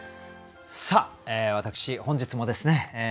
さあ私本日もですね